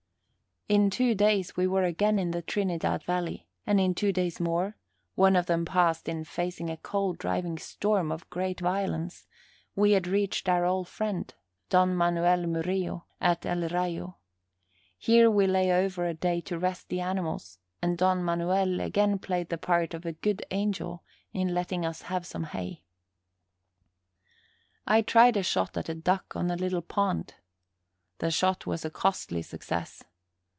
In two days we were again in the Trinidad Valley, and in two days more one of them passed in facing a cold, driving storm, of great violence we had reached our old friend, Don Manuel Murillo, at El Rayo. Here we lay over a day to rest the animals, and Don Manuel again played the part of a good angel in letting us have some hay. I tried a shot at a duck on a little pond. The shot was a costly success.